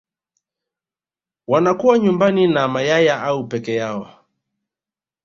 wanakuwa nyumbani na mayaya au peke yao